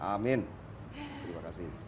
amin terima kasih